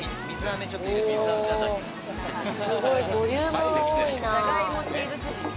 すごいボリュームが多いな。